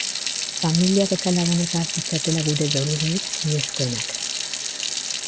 Familiak eta lagunek har ditzatela gure doluminik zinezkoenak.